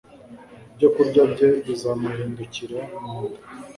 ibyokurya bye bizamuhindukira mu nda